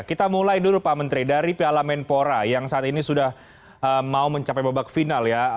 kita mulai dulu pak menteri dari piala menpora yang saat ini sudah mau mencapai babak final ya